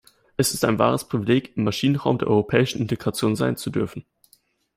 Es ist ein wahres Privileg, im Maschinenraum der europäischen Integration sein zu dürfen.